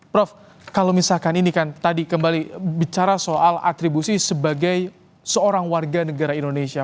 prof kalau misalkan ini kan tadi kembali bicara soal atribusi sebagai seorang warga negara indonesia